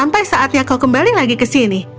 sampai saatnya kau kembali lagi ke sini